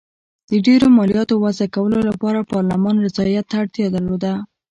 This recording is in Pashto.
د ډېرو مالیاتو وضعه کولو لپاره پارلمان رضایت ته اړتیا درلوده.